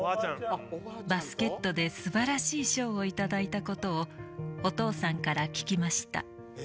「バスケットですばらしい賞を頂いたことをお父さんから聞きました」